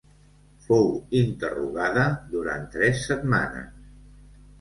Fou interrogada durant tres setmanes.